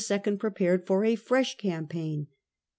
prepared for a fresh campaign.